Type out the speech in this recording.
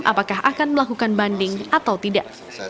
apakah akan melakukan banding atau tidak